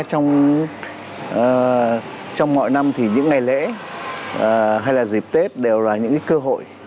thực tế ra trong mọi năm thì những ngày lễ hay là dịp tết đều là những cơ hội